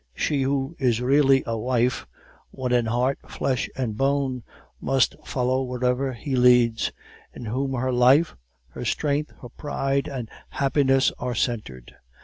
She who is really a wife, one in heart, flesh, and bone, must follow wherever he leads, in whom her life, her strength, her pride, and happiness are centered.